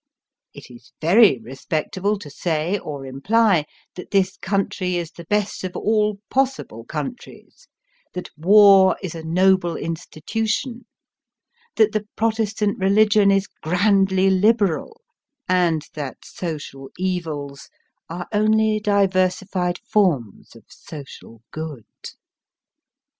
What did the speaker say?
It is very respectable to say, or imply, that this country is the best of all possible countries, that War is a noble institution, that the Protestant Religion is grandly liberal, and that social evils are only diversified forms of social good.